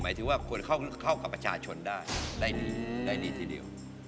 หมายถึงว่าควรเข้ากับประชาชนได้ดีทีเดียว